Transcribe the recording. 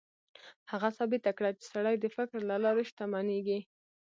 هغه ثابته کړه چې سړی د فکر له لارې شتمنېږي.